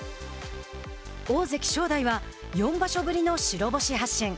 大関・正代は四場所ぶりの白星発進。